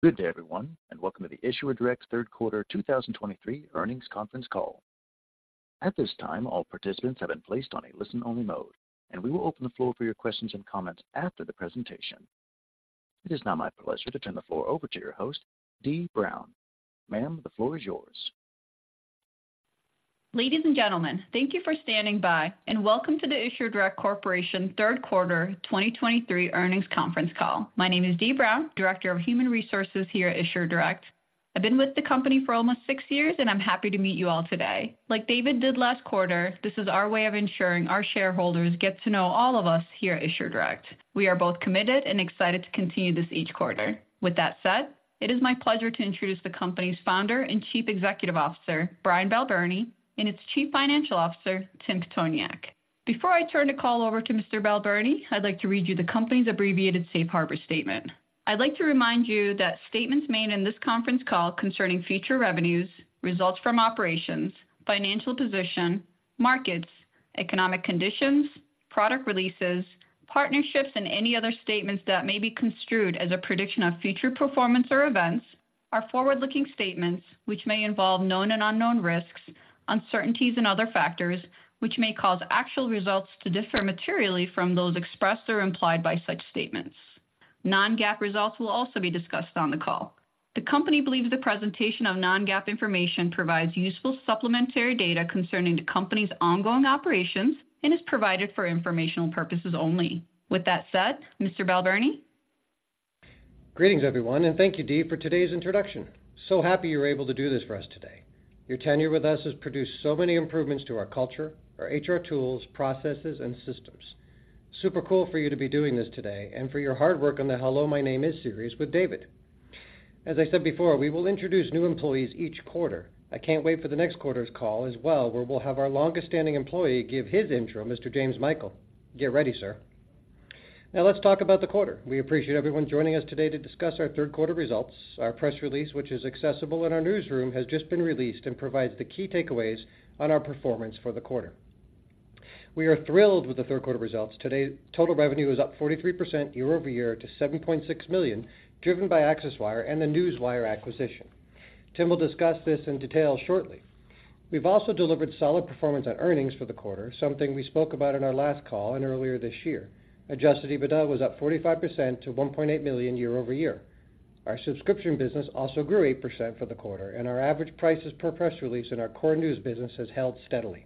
Good day, everyone, and welcome to the Issuer Direct's third quarter 2023 earnings conference call. At this time, all participants have been placed on a listen-only mode, and we will open the floor for your questions and comments after the presentation. It is now my pleasure to turn the floor over to your host, Dee Brown. Ma'am, the floor is yours. Ladies and gentlemen, thank you for standing by, and welcome to the Issuer Direct Corporation third quarter 2023 earnings conference call. My name is Dee Brown, Director of Human Resources here at Issuer Direct. I've been with the company for almost six years, and I'm happy to meet you all today. Like David did last quarter, this is our way of ensuring our shareholders get to know all of us here at Issuer Direct. We are both committed and excited to continue this each quarter. With that said, it is my pleasure to introduce the company's founder and Chief Executive Officer, Brian Balbirnie, and its Chief Financial Officer, Tim Pitoniak. Before I turn the call over to Mr. Balbirnie, I'd like to read you the company's abbreviated safe harbor statement. I'd like to remind you that statements made in this conference call concerning future revenues, results from operations, financial position, markets, economic conditions, product releases, partnerships, and any other statements that may be construed as a prediction of future performance or events, are forward-looking statements which may involve known and unknown risks, uncertainties, and other factors, which may cause actual results to differ materially from those expressed or implied by such statements. Non-GAAP results will also be discussed on the call. The company believes the presentation of non-GAAP information provides useful supplementary data concerning the company's ongoing operations and is provided for informational purposes only. With that said, Mr. Balbirnie. Greetings, everyone, and thank you, Dee, for today's introduction. So happy you're able to do this for us today. Your tenure with us has produced so many improvements to our culture, our HR tools, processes, and systems. Super cool for you to be doing this today and for your hard work on the Hello, My Name Is series with David. As I said before, we will introduce new employees each quarter. I can't wait for the next quarter's call as well, where we'll have our longest-standing employee give his intro, Mr. James Michael. Get ready, sir. Now, let's talk about the quarter. We appreciate everyone joining us today to discuss our third quarter results. Our press release, which is accessible in our newsroom, has just been released and provides the key takeaways on our performance for the quarter. We are thrilled with the third quarter results. Today, total revenue is up 43% year-over-year to $7.6 million, driven by ACCESSWIRE and the Newswire acquisition. Tim will discuss this in detail shortly. We've also delivered solid performance on earnings for the quarter, something we spoke about in our last call and earlier this year. Adjusted EBITDA was up 45% to $1.8 million year-over-year. Our subscription business also grew 8% for the quarter, and our average prices per press release in our core news business has held steadily.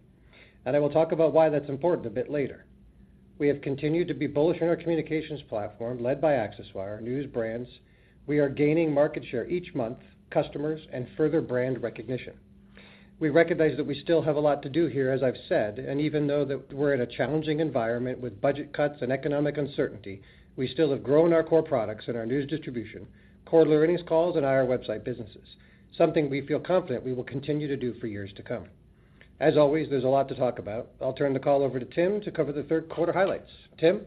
I will talk about why that's important a bit later. We have continued to be bullish on our communications platform, led by ACCESSWIRE news brands. We are gaining market share each month, customers, and further brand recognition. We recognize that we still have a lot to do here, as I've said, and even though that we're in a challenging environment with budget cuts and economic uncertainty, we still have grown our core products and our news distribution, quarterly Earnings Calls, and IR Website businesses, something we feel confident we will continue to do for years to come. As always, there's a lot to talk about. I'll turn the call over to Tim to cover the third quarter highlights. Tim?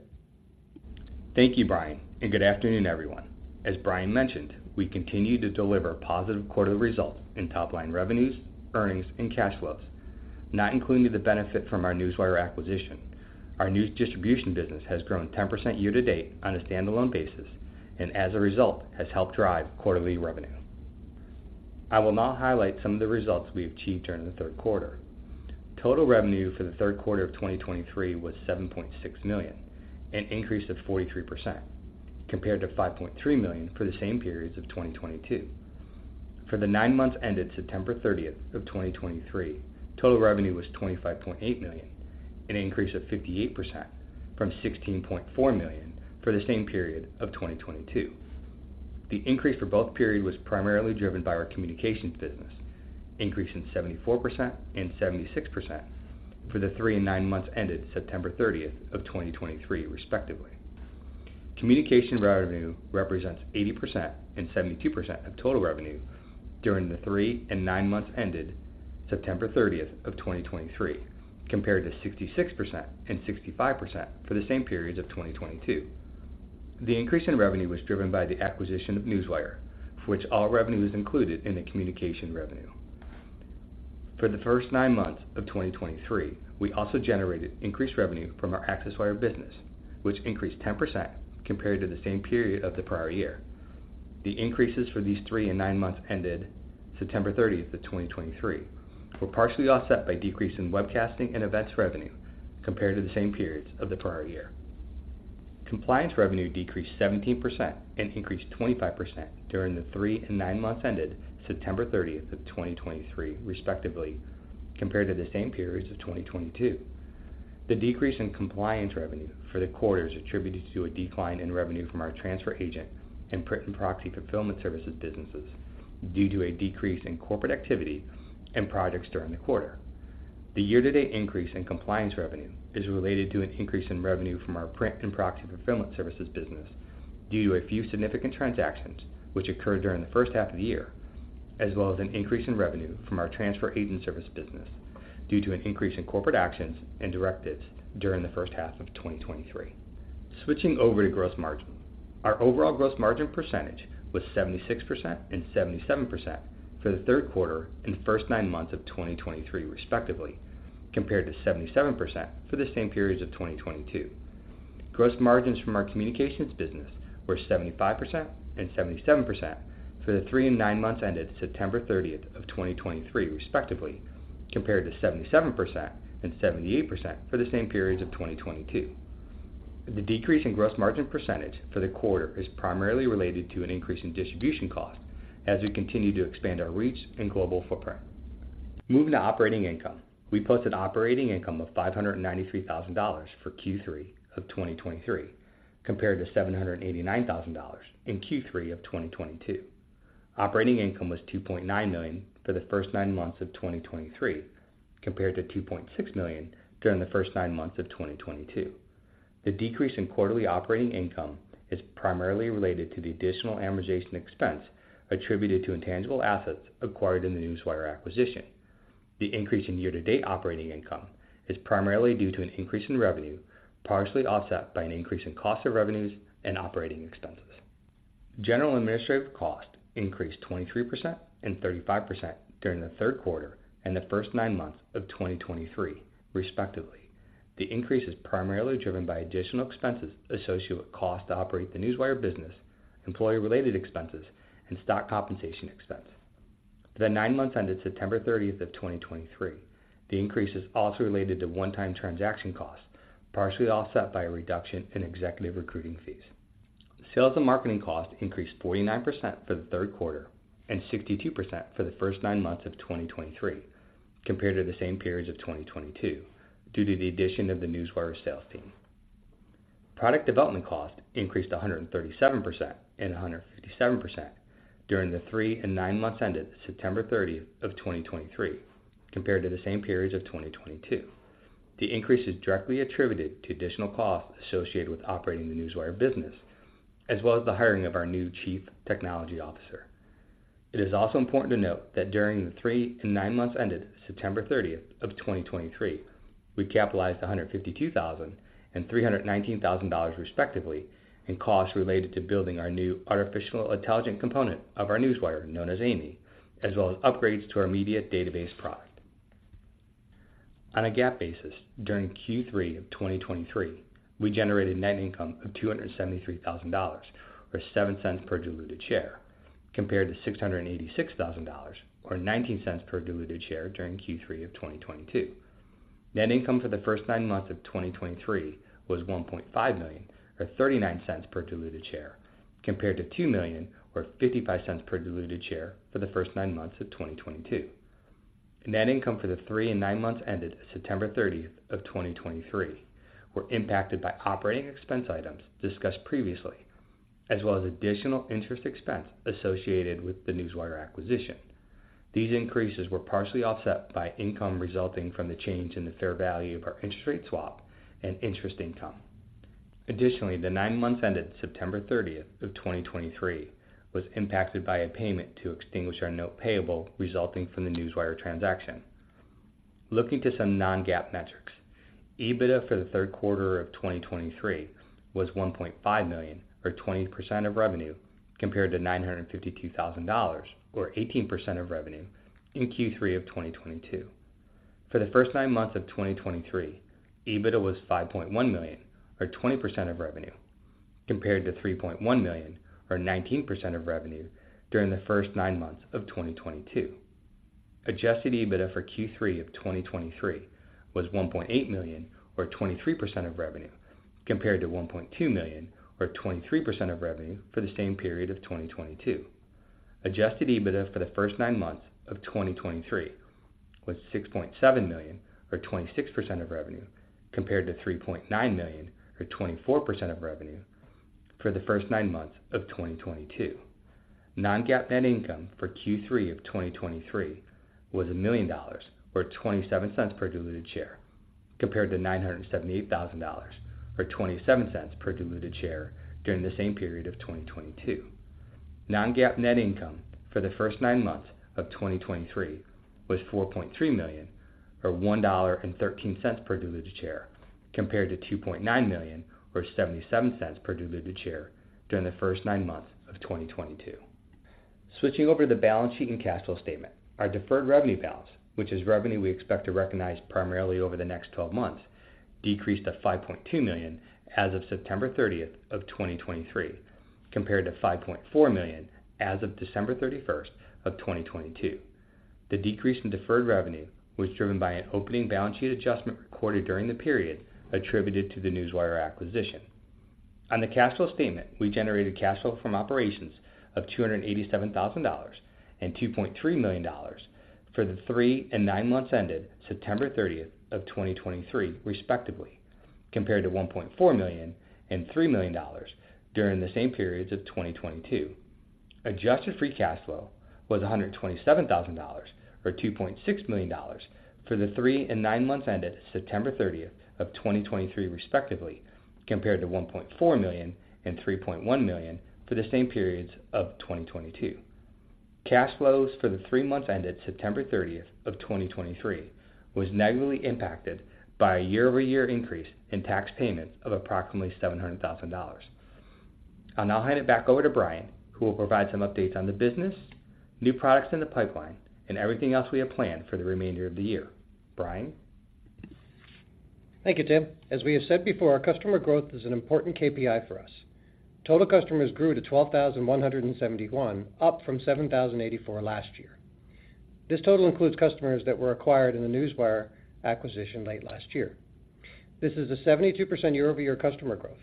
Thank you, Brian, and good afternoon, everyone. As Brian mentioned, we continue to deliver positive quarterly results in top-line revenues, earnings, and cash flows, not including the benefit from our Newswire acquisition. Our news distribution business has grown 10% year to date on a standalone basis, and as a result, has helped drive quarterly revenue. I will now highlight some of the results we achieved during the third quarter. Total revenue for the third quarter of 2023 was $7.6 million, an increase of 43%, compared to $5.3 million for the same periods of 2022. For the nine months ended September 30th, 2023, total revenue was $25.8 million, an increase of 58% from $16.4 million for the same period of 2022. The increase for both periods was primarily driven by our communications business, increasing 74% and 76% for the three and nine months ended September thirtieth of 2023, respectively. Communications revenue represents 80% and 72% of total revenue during the three and nine months ended September 30th of 2023, compared to 66% and 65% for the same periods of 2022. The increase in revenue was driven by the acquisition of Newswire, for which all revenue is included in the communications revenue. For the first nine months of 2023, we also generated increased revenue from our ACCESSWIRE business, which increased 10% compared to the same period of the prior year. The increases for these three and nine months ended September 30th of 2023 were partially offset by decrease in webcasting and events revenue compared to the same periods of the prior year. Compliance revenue decreased 17% and increased 25% during the three and nine months ended September 30th of 2023, respectively, compared to the same periods of 2022. The decrease in compliance revenue for the quarter is attributed to a decline in revenue from our transfer agent and print and proxy fulfillment services businesses due to a decrease in corporate activity and projects during the quarter. The year-to-date increase in compliance revenue is related to an increase in revenue from our print and proxy fulfillment services business due to a few significant transactions which occurred during the first half of the year, as well as an increase in revenue from our transfer agent service business due to an increase in corporate actions and directives during the first half of 2023. Switching over to gross margin. Our overall gross margin percentage was 76% and 77% for the third quarter and first nine months of 2023, respectively, compared to 77% for the same periods of 2022. Gross margins from our communications business were 75% and 77% for the three and nine months ended September 30th of 2023, respectively, compared to 77% and 78% for the same periods of 2022. The decrease in gross margin percentage for the quarter is primarily related to an increase in distribution cost as we continue to expand our reach and global footprint. Moving to operating income, we posted operating income of $593,000 for Q3 of 2023, compared to $789,000 in Q3 of 2022. Operating income was $2.9 million for the first nine months of 2023, compared to $2.6 million during the first nine months of 2022. The decrease in quarterly operating income is primarily related to the additional amortization expense attributed to intangible assets acquired in the Newswire acquisition. The increase in year-to-date operating income is primarily due to an increase in revenue, partially offset by an increase in cost of revenues and operating expenses. General administrative costs increased 23% and 35% during the third quarter and the first nine months of 2023, respectively. The increase is primarily driven by additional expenses associated with costs to operate the Newswire business, employee-related expenses, and stock compensation expense. For the nine months ended September 30th, 2023, the increase is also related to one-time transaction costs, partially offset by a reduction in executive recruiting fees. Sales and marketing costs increased 49% for the third quarter and 62% for the first nine months of 2023, compared to the same periods of 2022, due to the addition of the Newswire sales team. Product development costs increased 137% and 157% during the three and nine months ended September 30th of 2023, compared to the same periods of 2022. The increase is directly attributed to additional costs associated with operating the Newswire business, as well as the hiring of our new Chief Technology Officer. It is also important to note that during the three and nine months ended September 30th, 2023, we capitalized $152,000 and $319,000, respectively, in costs related to building our new artificial intelligence component of our Newswire, known as AImee, as well as upgrades to our media database product. On a GAAP basis, during Q3 of 2023, we generated net income of $273,000, or $0.07 per diluted share, compared to $686,000, or $0.19 per diluted share during Q3 of 2022. Net income for the first nine months of 2023 was $1.5 million, or $0.39 per diluted share, compared to $2 million, or $0.55 per diluted share, for the first nine months of 2022. Net income for the three and nine months ended September 30, 2023 were impacted by operating expense items discussed previously, as well as additional interest expense associated with the Newswire acquisition. These increases were partially offset by income resulting from the change in the fair value of our interest rate swap and interest income. Additionally, the nine months ended September 30th, 2023 was impacted by a payment to extinguish our note payable, resulting from the Newswire transaction. Looking to some non-GAAP metrics, EBITDA for the third quarter of 2023 was $1.5 million, or 20% of revenue, compared to $952,000, or 18% of revenue, in Q3 of 2022. For the first nine months of 2023, EBITDA was $5.1 million, or 20% of revenue, compared to $3.1 million, or 19% of revenue, during the first nine months of 2022. Adjusted EBITDA for Q3 of 2023 was $1.8 million, or 23% of revenue, compared to $1.2 million, or 23% of revenue, for the same period of 2022. Adjusted EBITDA for the first nine months of 2023 was $6.7 million, or 26% of revenue, compared to $3.9 million, or 24% of revenue, for the first nine months of 2022. Non-GAAP net income for Q3 of 2023 was $1 million, or $0.27 per diluted share, compared to $978,000, or $0.27 per diluted share, during the same period of 2022. Non-GAAP net income for the first nine months of 2023 was $4.3 million, or $1.13 per diluted share, compared to $2.9 million, or $0.77 per diluted share, during the first nine months of 2022. Switching over to the balance sheet and cash flow statement, our deferred revenue balance, which is revenue we expect to recognize primarily over the next 12 months, decreased to $5.2 million as of September 30th, 2023, compared to $5.4 million as of December 31st, 2022. The decrease in deferred revenue was driven by an opening balance sheet adjustment recorded during the period attributed to the Newswire acquisition. On the cash flow statement, we generated cash flow from operations of $287,000 and $2.3 million for the three and nine months ended September 30, 2023, respectively, compared to $1.4 million and $3 million during the same periods of 2022. Adjusted free cash flow was $127,000, or $2.6 million, for the three and nine months ended September 30th, 2023 respectively, compared to $1.4 million and $3.1 million for the same periods of 2022. Cash flows for the three months ended September 30th, 2023 was negatively impacted by a year-over-year increase in tax payments of approximately $700,000. I'll now hand it back over to Brian, who will provide some updates on the business, new products in the pipeline, and everything else we have planned for the remainder of the year. Brian? Thank you, Tim. As we have said before, our customer growth is an important KPI for us. Total customers grew to 12,171, up from 7,084 last year. This total includes customers that were acquired in the Newswire acquisition late last year. This is a 72% year-over-year customer growth.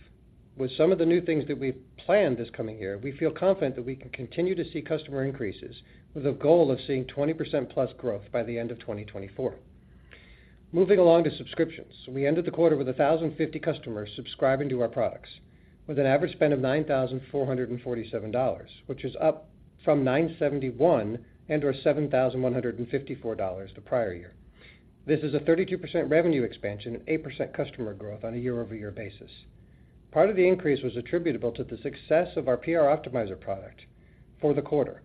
With some of the new things that we've planned this coming year, we feel confident that we can continue to see customer increases with a goal of seeing 20%+ growth by the end of 2024. Moving along to subscriptions. We ended the quarter with 1,050 customers subscribing to our products, with an average spend of $9,447, which is up from 971 and or $7,154 the prior year. This is a 32% revenue expansion and 8% customer growth on a year-over-year basis. Part of the increase was attributable to the success of our PR Optimizer product for the quarter.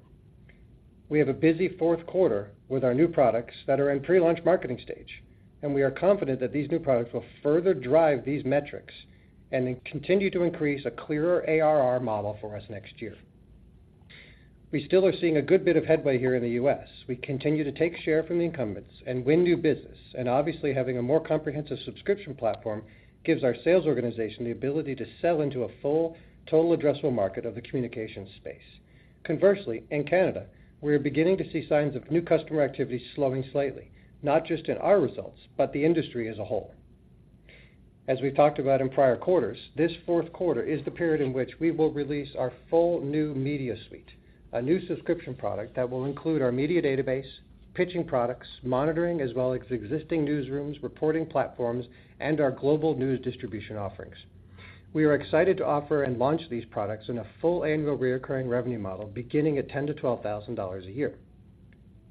We have a busy fourth quarter with our new products that are in pre-launch marketing stage, and we are confident that these new products will further drive these metrics and then continue to increase a clearer ARR model for us next year. We still are seeing a good bit of headway here in the U.S. We continue to take share from the incumbents and win new business, and obviously, having a more comprehensive subscription platform gives our sales organization the ability to sell into a full total addressable market of the communications space. Conversely, in Canada, we are beginning to see signs of new customer activity slowing slightly, not just in our results, but the industry as a whole. As we've talked about in prior quarters, this fourth quarter is the period in which we will release our full new Media Suite, a new subscription product that will include our media database, pitching products, monitoring, as well as existing newsrooms, reporting platforms, and our global news distribution offerings. We are excited to offer and launch these products in a full annual recurring revenue model, beginning at $10,000-$12,000 a year.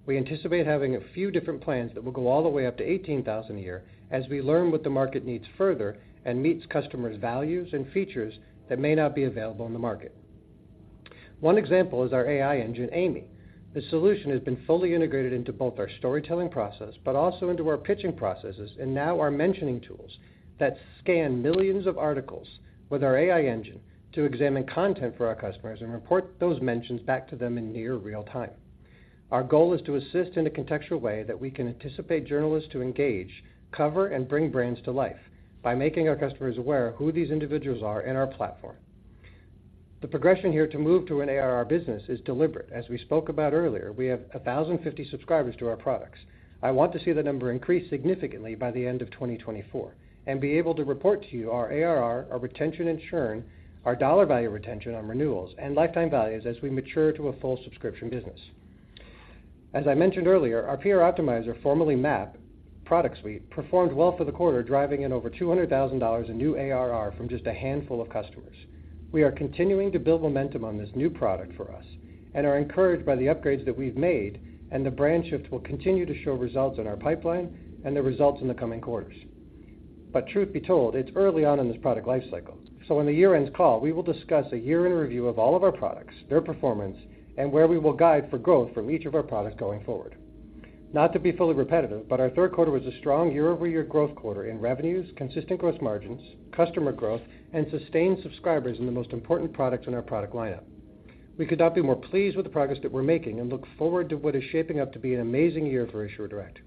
We anticipate having a few different plans that will go all the way up to $18,000 a year as we learn what the market needs further and meets customers' values and features that may not be available in the market. One example is our AI engine, AImee. This solution has been fully integrated into both our storytelling process, but also into our pitching processes and now our mentioning tools that scan millions of articles with our AI engine to examine content for our customers and report those mentions back to them in near real time. Our goal is to assist in a contextual way that we can anticipate journalists to engage, cover, and bring brands to life by making our customers aware of who these individuals are in our platform. The progression here to move to an ARR business is deliberate. As we spoke about earlier, we have 1,050 subscribers to our products. I want to see the number increase significantly by the end of 2024 and be able to report to you our ARR, our retention and churn, our dollar value retention on renewals, and lifetime values as we mature to a full subscription business. As I mentioned earlier, our PR Optimizer, formerly MAP product suite, performed well for the quarter, driving in over $200,000 in new ARR from just a handful of customers. We are continuing to build momentum on this new product for us and are encouraged by the upgrades that we've made, and the brand shift will continue to show results in our pipeline and the results in the coming quarters. But truth be told, it's early on in this product life cycle. So in the year-end call, we will discuss a year-end review of all of our products, their performance, and where we will guide for growth from each of our products going forward. Not to be fully repetitive, but our third quarter was a strong year-over-year growth quarter in revenues, consistent gross margins, customer growth, and sustained subscribers in the most important products in our product lineup. We could not be more pleased with the progress that we're making and look forward to what is shaping up to be an amazing year for Issuer Direct.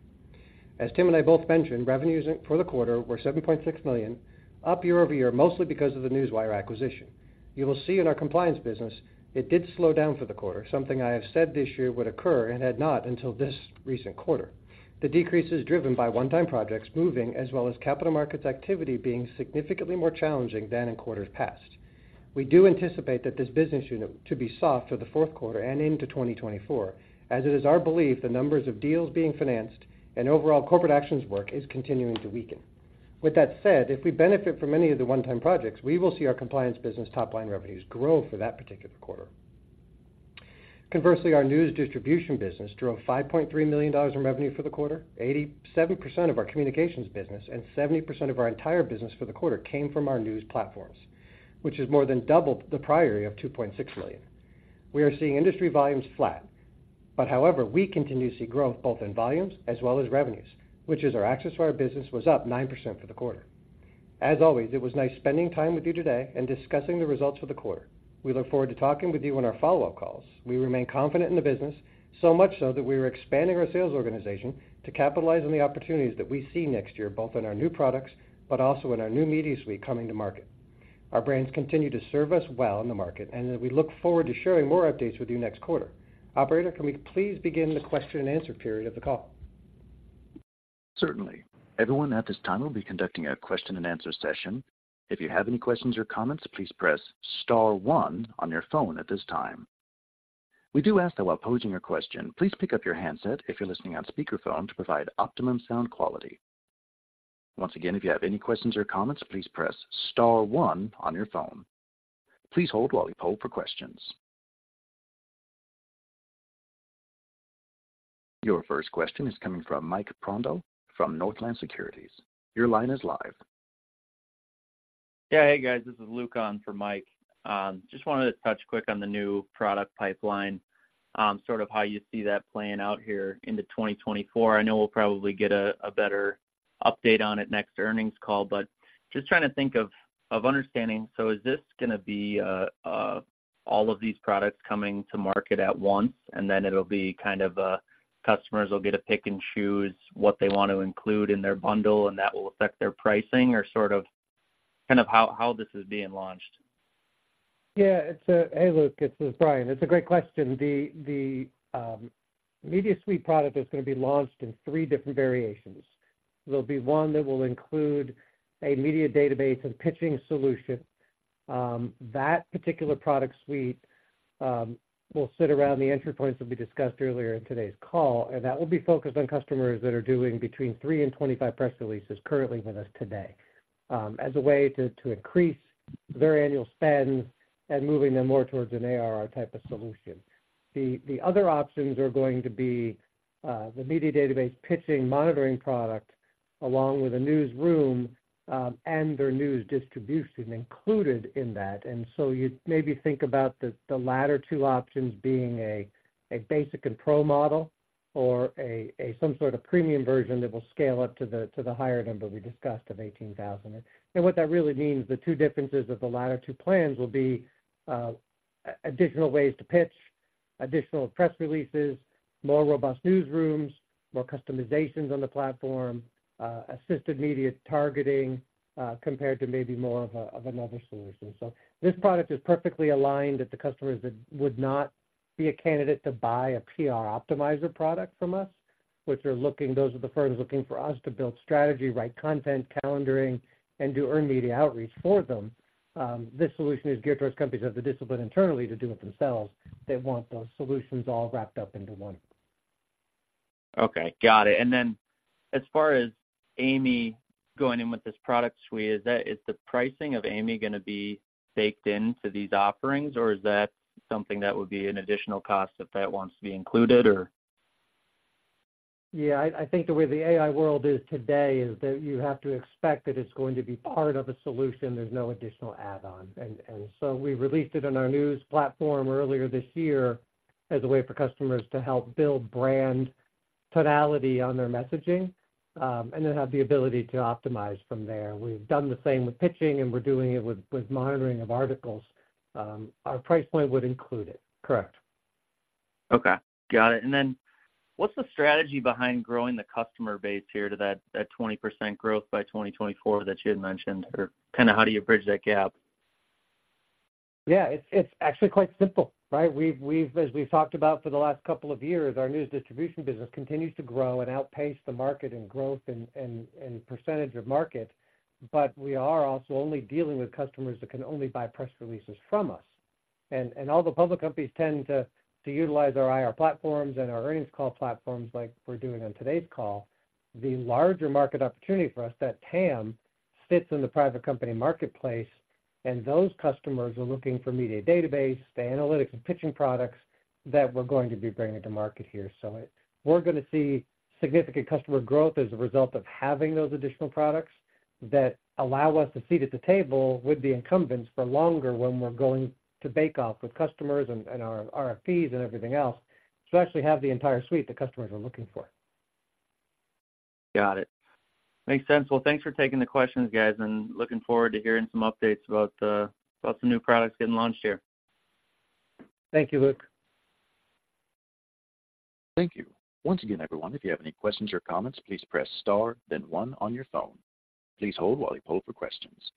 As Tim and I both mentioned, revenues for the quarter were $7.6 million, up year-over-year, mostly because of the Newswire acquisition. You will see in our compliance business, it did slow down for the quarter, something I have said this year would occur and had not until this recent quarter. The decrease is driven by one-time projects moving, as well as capital markets activity being significantly more challenging than in quarters past. We do anticipate that this business unit to be soft for the fourth quarter and into 2024, as it is our belief, the numbers of deals being financed and overall corporate actions work is continuing to weaken. With that said, if we benefit from any of the one-time projects, we will see our compliance business top-line revenues grow for that particular quarter. Conversely, our news distribution business drove $5.3 million in revenue for the quarter. 87% of our communications business and 70% of our entire business for the quarter came from our news platforms, which is more than double the prior year of $2.6 million. We are seeing industry volumes flat, but however, we continue to see growth both in volumes as well as revenues, which is our ACCESSWIRE business was up 9% for the quarter. As always, it was nice spending time with you today and discussing the results for the quarter. We look forward to talking with you on our follow-up calls. We remain confident in the business, so much so that we are expanding our sales organization to capitalize on the opportunities that we see next year, both in our new products but also in our new Media Suite coming to market. Our brands continue to serve us well in the market, and we look forward to sharing more updates with you next quarter. Operator, can we please begin the question and answer period of the call? Certainly. Everyone, at this time, we'll be conducting a question and answer session. If you have any questions or comments, please press star one on your phone at this time. We do ask that while posing your question, please pick up your handset if you're listening on speakerphone to provide optimum sound quality. Once again, if you have any questions or comments, please press star one on your phone. Please hold while we poll for questions. Your first question is coming from Mike Grondahl from Northland Securities. Your line is live. Yeah. Hey, guys, this is Luke on for Mike. Just wanted to touch quick on the new product pipeline, sort of how you see that playing out here into 2024. I know we'll probably get a better update on it next earnings call. But just trying to think of understanding, so is this gonna be all of these products coming to market at once, and then it'll be kind of a customers will get to pick and choose what they want to include in their bundle, and that will affect their pricing? Or sort of, kind of how this is being launched. Hey, Luke, it's Brian. It's a great question. The Media Suite product is going to be launched in three different variations. There'll be one that will include a media database and pitching solution. That particular product suite will sit around the entry points that we discussed earlier in today's call, and that will be focused on customers that are doing between three and 25 press releases currently with us today, as a way to increase their annual spend and moving them more towards an ARR type of solution. The other options are going to be the media database, pitching, monitoring product, along with a newsroom, and their news distribution included in that. You'd maybe think about the latter two options being a basic and pro model or some sort of premium version that will scale up to the higher number we discussed of $18,000. What that really means, the two differences of the latter two plans will be additional ways to pitch, additional press releases, more robust newsrooms, more customizations on the platform, assisted media targeting, compared to maybe more of another solution. This product is perfectly aligned at the customers that would not be a candidate to buy a PR Optimizer product from us, which are looking, those are the firms looking for us to build strategy, write content, calendaring, and do earned media outreach for them. This solution is geared towards companies that have the discipline internally to do it themselves. They want those solutions all wrapped up into one. Okay, got it. And then as far as AImee going in with this product suite, is that, is the pricing of Amy gonna be baked into these offerings, or is that something that would be an additional cost if that wants to be included, or? Yeah, I think the way the AI world is today is that you have to expect that it's going to be part of a solution. There's no additional add-on. And so we released it on our news platform earlier this year as a way for customers to help build brand tonality on their messaging, and then have the ability to optimize from there. We've done the same with pitching, and we're doing it with monitoring of articles. Our price point would include it. Correct. Okay, got it. And then what's the strategy behind growing the customer base here to that, that 20% growth by 2024 that you had mentioned? Or kind of how do you bridge that gap? Yeah, it's actually quite simple, right? We've, as we've talked about for the last couple of years, our news distribution business continues to grow and outpace the market in growth and percentage of market. But we are also only dealing with customers that can only buy press releases from us. And all the public companies tend to utilize our IR platforms and our earnings call platforms, like we're doing on today's call. The larger market opportunity for us, that TAM, sits in the private company marketplace, and those customers are looking for media database, the analytics and pitching products that we're going to be bringing to market here. We're gonna see significant customer growth as a result of having those additional products that allow us a seat at the table with the incumbents for longer when we're going to bake off with customers and our RFPs and everything else, to actually have the entire suite that customers are looking for. Got it. Makes sense. Well, thanks for taking the questions, guys, and looking forward to hearing some updates about some new products getting launched here. Thank you, Luke. Thank you. Once again, everyone, if you have any questions or comments, please press star, then one on your phone. Please hold while we poll for questions.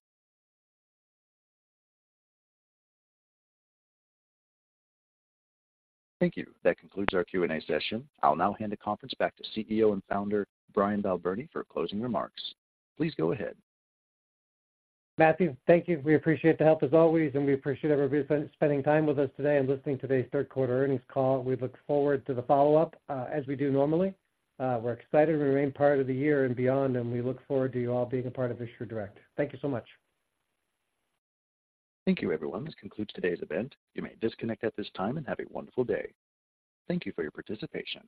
Thank you. That concludes our Q&A session. I'll now hand the conference back to CEO and founder, Brian Balbirnie, for closing remarks. Please go ahead. Matthew, thank you. We appreciate the help as always, and we appreciate everybody spending time with us today and listening to today's third-quarter earnings call. We look forward to the follow-up, as we do normally. We're excited to remain part of the year and beyond, and we look forward to you all being a part of this Issuer Direct. Thank you so much. Thank you, everyone. This concludes today's event. You may disconnect at this time and have a wonderful day. Thank you for your participation.